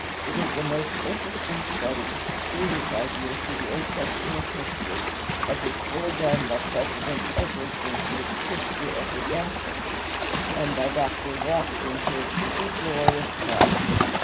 It is a most interesting study to pursue this idea through the Old Testament history, as is fully done by President Edwards in his "History of Redemption" and by Dr. Watts in his "True Glory of Christ."